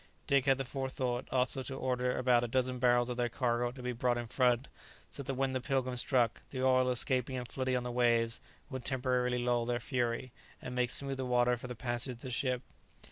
Dick had the forethought also to order about a dozen barrels of their cargo to be brought in front, so that when the "Pilgrim" struck, the oil escaping and floating on the waves would temporarily lull their fury, and make smoother water for the passage of the ship.